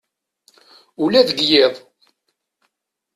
Ula deg yiḍ.